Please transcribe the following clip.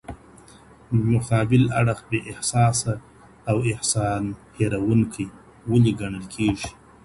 مقابل اړخ بي احساسه او احسان هيروونکی ولي ګڼل کيږي؟